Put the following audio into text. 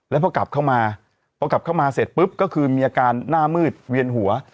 แล้วพอกลับเข้ามาพอกลับเข้ามาเสร็จปุ๊บก็คือมีอาการหน้ามืดเวียนหัว